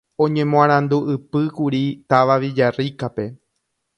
Oñemoarandu'ypýkuri táva Villarrica-pe